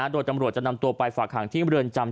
โดยตำรวจจะนำตัวไปฝากหางที่เมืองจำ